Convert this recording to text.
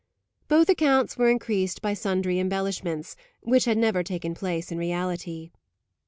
Both accounts were increased by sundry embellishments, which had never taken place in reality.